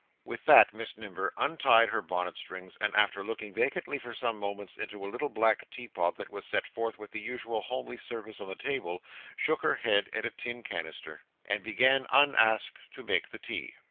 With that Miss Nipper untied her bonnet strings, and after looking vacantly for some moments into a little black teapot that was set forth with the usual homely service on the table, shook her head and a tin canister, and began unasked to make the tea.